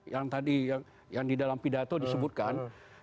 yang tadi yang di dalam pidato disebutkan